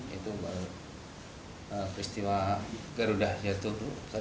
yaitu peristiwa gerudah jatuh di medan